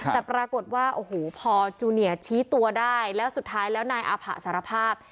แต่ปรากฏว่าพ่อจูเนียชี้ตัวได้แล้วสุดท้ายนายอาผะสารภาพ